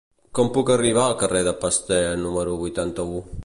Com puc arribar al carrer de Pasteur número vuitanta-u?